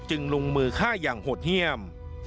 จึงลงมือฆ่าอย่างหดเฮียม